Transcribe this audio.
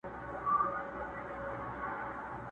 بازاري ویل قصاب دی زموږ په ښار کي.!